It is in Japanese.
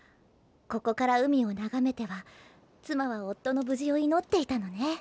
ここから海を眺めては妻は夫の無事を祈っていたのね。